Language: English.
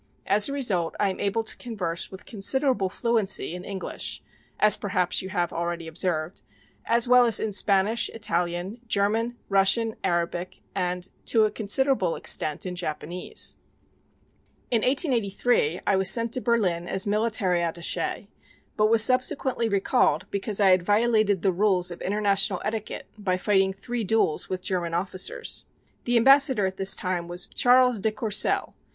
As a result I am able to converse with considerable fluency in English, as perhaps you have already observed, as well as in Spanish, Italian, German, Russian, Arabic, and, to a considerable extent, in Japanese. "In 1883 I was sent to Berlin as Military Attaché, but was subsequently recalled because I had violated the rules of international etiquette by fighting three duels with German officers. The Ambassador at this time was Charles de Courcel.